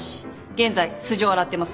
現在素性を洗ってます。